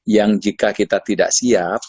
yang jika kita tidak siap